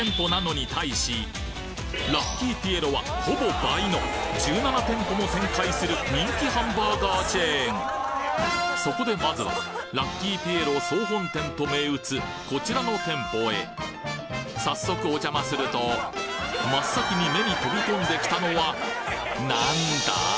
函館市内に全国展開するラッキーピエロはほぼ倍のそこでまずはラッキーピエロ総本店と銘打つこちらの店舗へ早速おじゃますると真っ先に目に飛び込んできたのは何だ！？